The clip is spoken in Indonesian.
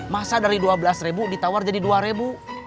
masa dari rp dua belas ditawar jadi rp dua